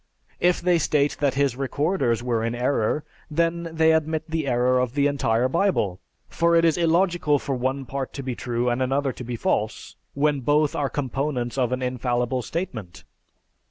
If they state that his recorders were in error, then they admit the error of the entire Bible, for it is illogical for one part to be true and another to be false, when both are components of an infallible statement.